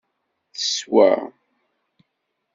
Teswa.